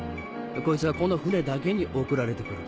こいつはこの船だけに送られて来る。